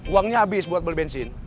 uangnya habis buat beli bensin